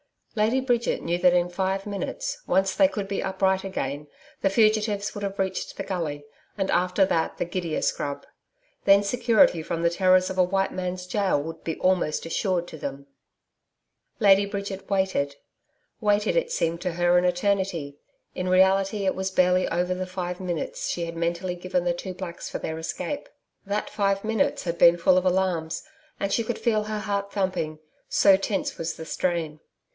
Lady Bridget knew that in five minutes, once they could be upright again, the fugitives would have reached the gully, and after that the gidia scrub. Then security from the terrors of a white man's gaol would be almost assured to them. Lady Bridget waited waited, it seemed to her an eternity, in reality it was barely over the five minutes she had mentally given the two blacks for their escape. That five minutes had been full of alarms, and she could feel her heart thumping, so tense was the strain.